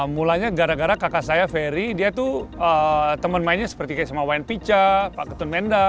mulanya gara gara kakak saya ferry dia tuh temen mainnya seperti kayak sama wayne picha pak ketun menda